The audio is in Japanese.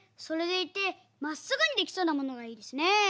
それでいてまっすぐにできそうなものがいいですね。